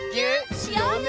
しようね！